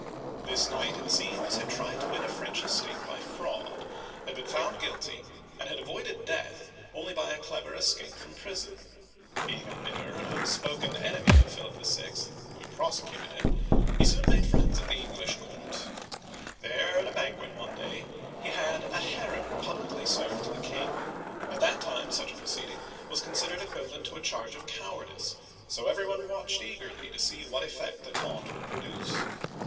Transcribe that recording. This knight, it seems, had tried to win a French estate by fraud, had been found guilty, and had avoided death only by a clever escape from prison. Being a bitter and outspoken enemy of Philip VI., — who had prosecuted him, — he soon made friends at the English court. There, at a Digitized by Google 148 OLD FRANCE banquet one day, he had a heron publicly served to the king. At that time, such a proceeding was considered equivalent to a charge of cowardice, so every one watched eagerly to see what effect the taunt would produce.